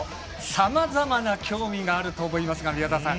さまざまな興味があると思いますが宮澤さん